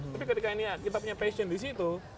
tapi ketika ini kita punya passion di situ